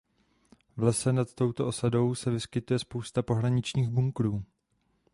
V lese nad touto osadou se vyskytuje spousta pohraničních bunkrů.